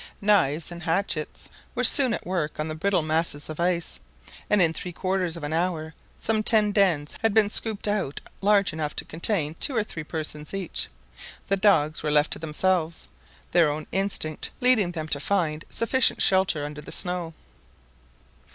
Knives and hatchets were soon at work on the brittle masses of ice, and in three quarters of an hour some ten dens had been scooped out large enough to contain two or three persons each. The dogs were left to themselves, their own instinct leading them to find sufficient shelter under the snow.